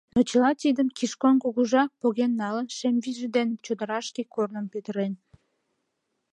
Но чыла тидым Кишкон Кугыжа поген налын, шем вийже дене чодырашке корным петырен.